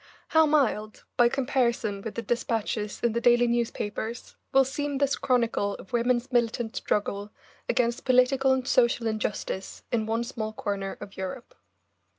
How mild, by comparison with the despatches in the daily newspapers, will seem this chronicle of women's militant struggle against political and social injustice in one small corner of Europe.